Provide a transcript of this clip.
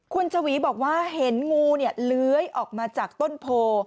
คุณฉวีบอกว่าเห็นงูเล้ยออกมาจากต้นโพ